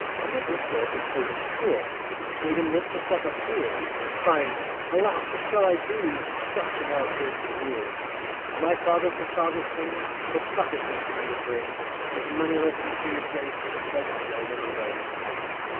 Under this rope was placed a stool, Which made him look just like a fool; Crying, 'Alas! what shall I do? Destruction now appears in view! 'As my father foresaw this thing, What sottishness to me would bring; As moneyless, and free of grace, His legacy I will embrace.